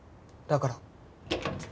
だから。